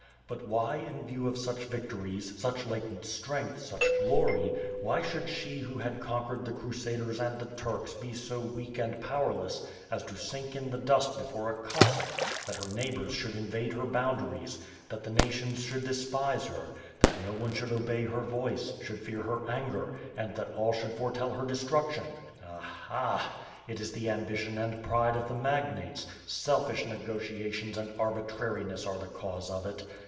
But why in view of such victories, such latent strength, such glory, why should she who hai conquered the Crusaders and the Turks be so weak and pow erless as to sink in the dust before a Cossack, that her neigh bors should invade her boundaries, that the nations should despise her; that no one should obey her voice, should fear her anger, and that all should fortell her destruction. Ah! Ah! It is the ambition and pride of the magnates, selfish negotiations and arbitrariness are the cause of it.